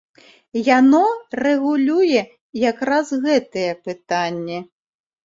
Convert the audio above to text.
Яно рэгулюе як раз гэтыя пытанні.